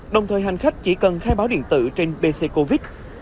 đồng thời hành khách chỉ cần khai báo điện tử trên bc covid